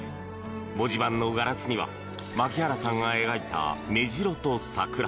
文字盤のガラスには牧原さんが描いたメジロと桜。